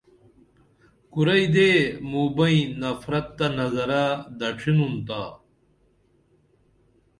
کُرئی دی موبئیں نفرت تہ نظرہ دڇھینُن تا